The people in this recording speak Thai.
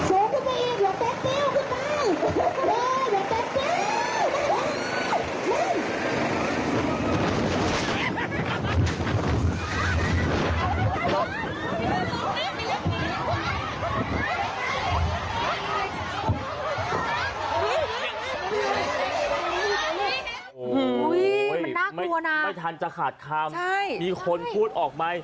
โอ้โหมันน่ากลัวนะไม่ทันจะขาดคำมีคนพูดออกไหม